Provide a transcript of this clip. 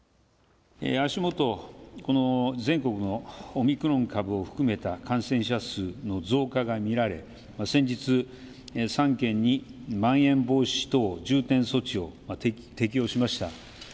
足元、全国のオミクロン株を含めた感染者数の増加が見られ、先日、３県にまん延防止等重点措置を適用しました。